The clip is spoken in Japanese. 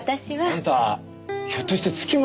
あんたひょっとして月本。